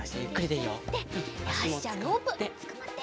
よしじゃあロープつかまって！